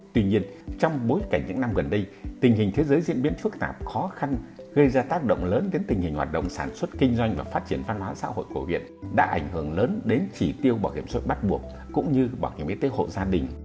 tuy nhiên trong bối cảnh những năm gần đây tình hình thế giới diễn biến phức tạp khó khăn gây ra tác động lớn đến tình hình hoạt động sản xuất kinh doanh và phát triển văn hóa xã hội của huyện đã ảnh hưởng lớn đến chỉ tiêu bảo hiểm sội bắt buộc cũng như bảo hiểm y tế hộ gia đình